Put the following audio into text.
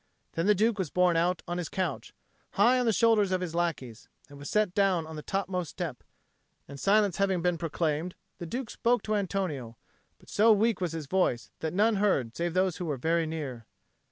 Then the Duke was borne out on his couch, high on the shoulders of his lackeys, and was set down on the topmost step: and silence having been proclaimed, the Duke spoke to Antonio; but so weak was his voice that none heard save those who were very near.